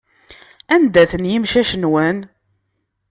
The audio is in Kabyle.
Anda-ten yimcac-nwen?